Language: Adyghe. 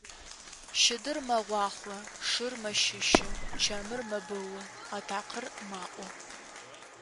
Щыдыр мэгъуахъо, шыр мэщыщы, чэмыр мэбыу, атакъэр маӀо.